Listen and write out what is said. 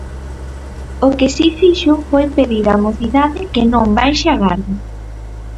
O que si fixo foi pedir á mocidade que "non baixe a garda".